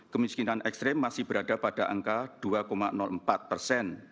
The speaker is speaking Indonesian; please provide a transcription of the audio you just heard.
kemiskinan ekstrim masih berada pada angka dua empat persen